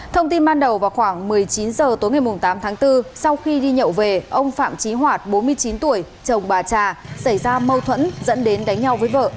thông tin ban đầu vào khoảng một mươi chín h tối ngày tám tháng bốn sau khi đi nhậu về ông phạm trí hoạt bốn mươi chín tuổi chồng bà trà xảy ra mâu thuẫn dẫn đến đánh nhau với vợ